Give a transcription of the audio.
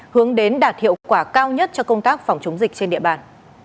hướng đến đạt hiệu quả cao nhất cho công tác phòng chống dịch trên địa bàn